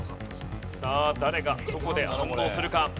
さあ誰がどこで反応するか？